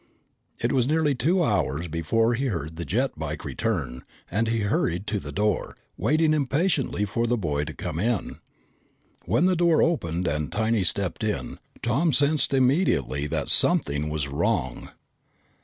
It was nearly two hours before he heard the jet bike return and he hurried to the door, waiting impatiently for the boy to come in. When the door opened and Tiny stepped in, Tom sensed immediately that something was wrong.